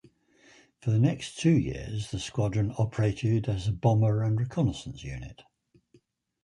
For the next two years the squadron operated as a bomber and reconnaissance unit.